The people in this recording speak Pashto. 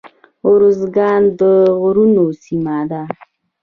ارزګان د غرونو سیمه ده